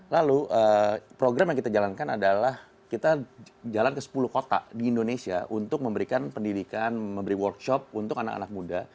lalu program yang kita jalankan adalah kita jalan ke sepuluh kota di indonesia untuk memberikan pendidikan memberi workshop untuk anak anak muda